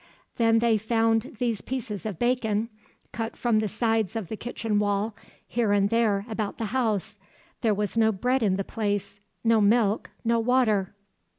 Then they found these pieces of bacon, cut from the sides on the kitchen wall, here and there about the house. There was no bread in the place, no milk, no water.